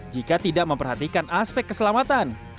jika tidak memperhatikan aspek keselamatan